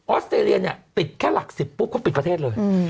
อสเตรเลียเนี่ยติดแค่หลัก๑๐ปุ๊บเขาปิดประเทศเลย